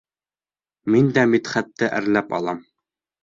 Мин дә Мидхәтте әрләп алам.